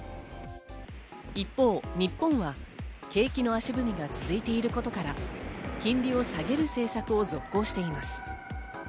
一方、日本は景気の足踏みが続いていることから金利を下げる政策を続行しています。